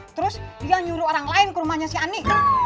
terus dia nyuruh orang lain ke rumahnya si ani